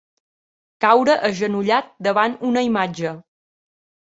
Caure agenollat davant una imatge.